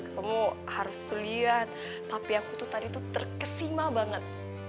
kamu harus lihat tapi aku tuh tadi itu terkesima banget